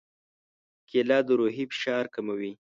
کېله د روحي فشار کموي.